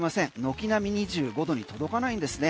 軒並み２５度に届かないんですね。